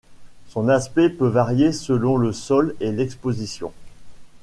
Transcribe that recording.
Son aspect peut varier selon le sol et l'exposition.